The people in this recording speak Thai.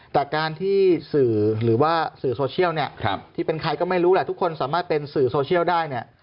แต่การที่สื่อหรือว่าสื่อโซเชียลเนี่ยที่เป็นใครก็ไม่รู้แหละทุกคนสามารถเป็นสื่อโซเชียลได้เนี่ย